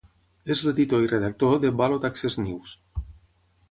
És l'editor i redactor de "Ballot Access News".